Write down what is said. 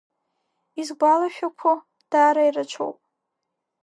Исгәалашәақәо даара ирацәоуп.